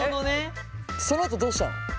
そのあとどうしたの？